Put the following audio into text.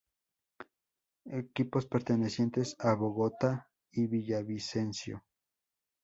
Equipos pertenecientes a Bogotá y Villavicencio.